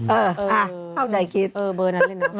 เออเออเออเบอร์นั้นเลยนะเอาใดคิด